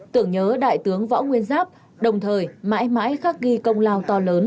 tưởng nhớ đại tướng võ nguyên giáp đồng thời mãi mãi khắc ghi công lao to lớn